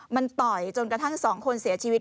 มันต่อยจนสองคนเสียชีวิต